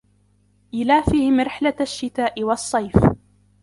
إيلافِهِم رِحلَةَ الشِّتاءِ وَالصَّيفِ